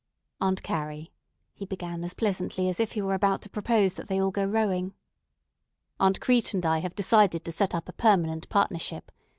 "Aunt Carrie," he began as pleasantly as if he were about to propose that they all go rowing, "Aunt Crete and I have decided to set up a permanent partnership.